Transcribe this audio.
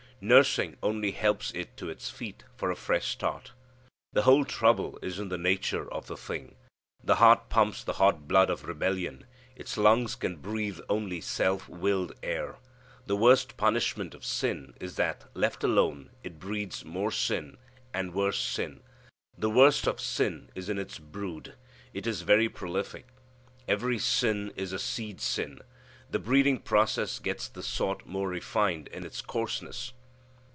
Nursing only helps it to its feet for a fresh start. The whole trouble is in the nature of the thing. The heart pumps the hot blood of rebellion. Its lungs can breathe only self willed air. The worst punishment of sin is that left alone it breeds more sin, and worse sin. The worst of sin is in its brood. It is very prolific. Every sin is a seed sin. The breeding process gets the sort more refined in its coarseness.